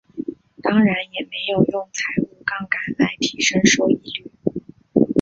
当然也没有用财务杠杆来提升收益率。